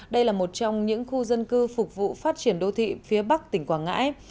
đây là một trong những khu dân cư phục vụ phát triển đô thị phía bắc tỉnh quảng ngãi